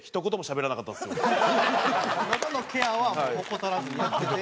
のどのケアは怠らずにやってて。